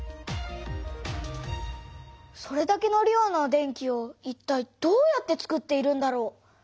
それだけの量の電気をいったいどうやってつくっているんだろう。